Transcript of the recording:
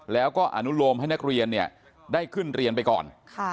แล้วก็อนุโลมให้นักเรียนได้ขึ้นเรียนไปก่อน